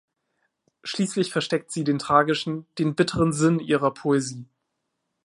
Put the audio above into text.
Schließlich versteckt sie den tragischen, den bitteren Sinn ihrer Poesie.